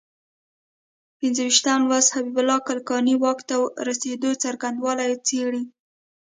پنځه ویشتم لوست حبیب الله کلکاني واک ته رسېدو څرنګوالی څېړي.